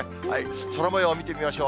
空もよう見てみましょう。